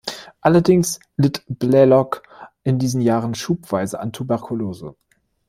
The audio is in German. Allerdings litt Blalock in diesen Jahren schubweise an Tuberkulose.